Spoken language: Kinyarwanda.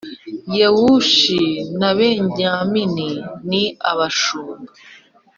Yewushi na Benyamini ni abashumba